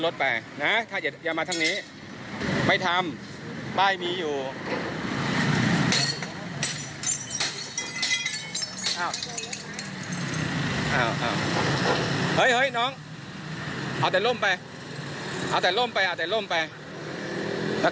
ทำไมครับทำมาหากินดีไม่ชอบจริงครับให้เป็นจรน่ะให้ตี้กินป้นกินหรือครับ